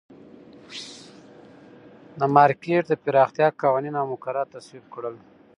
د مارکېټ د پراختیا قوانین او مقررات تصویب کړل.